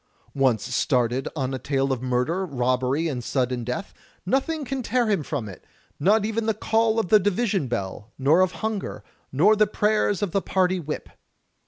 Once started on a tale of murder, robbery, and sudden death, nothing can tear him from it, not even the call of the division bell, nor of hunger, nor the prayers of the party Whip.